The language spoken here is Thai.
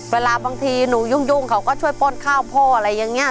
เวลาบางทีหนูยุ่งเขาก็ช่วยป้นข้าวพ่ออะไรอย่างนี้